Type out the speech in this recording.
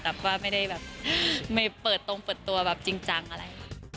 แต่ว่าไม่ได้แบบไม่เปิดตรงเปิดตัวแบบจริงจังอะไร